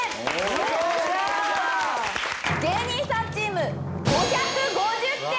芸人さんチーム５５０点！